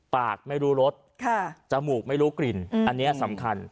ไม่รู้รสจมูกไม่รู้กลิ่นอันนี้สำคัญ